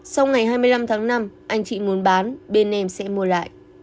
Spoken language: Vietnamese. sau ngày hai mươi năm tháng năm anh chị muốn bán bên em sẽ mua lại